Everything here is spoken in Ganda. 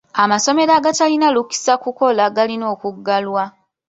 Amasomero agatalina lukisa kukola galina okuggalwa.